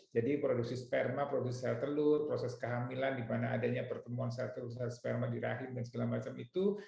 jadi produksi sperma produksi sel telur proses kehamilan di mana adanya pertemuan sel telur sel sperma di rahim dan segala macam itu